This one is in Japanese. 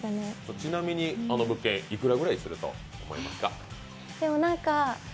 ちなみにあの物件、いくらぐらいすると思いますか？